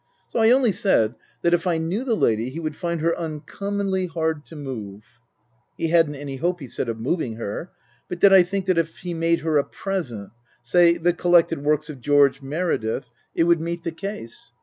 So I only said that, if I knew the lady, he would find her uncommonly hard to move. He hadn't any hope, he said, of moving her ; but did I think that if he made her a present say, the Collected Works of George Meredith, it would meet the case